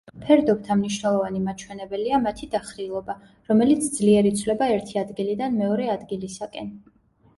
ფერდობთა მნიშვნელოვანი მაჩვენებელია მათი დახრილობა, რომელიც ძლიერ იცვლება ერთი ადგილიდან მეორე ადგილისაკენ.